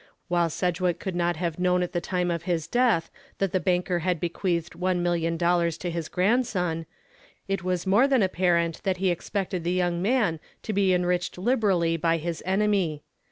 While Sedgwick could not have known at the time of his death that the banker had bequeathed one million dollars to his grandson, it was more than apparent that he expected the young man to be enriched liberally by his enemy.